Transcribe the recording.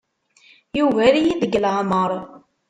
Yugar-iyi deg leɛmeṛ.